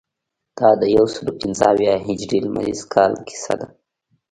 دا د یوسلو پنځه اویا هجري لمریز کال کیسه ده.